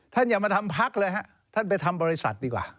อย่ามาทำพักเลยฮะท่านไปทำบริษัทดีกว่า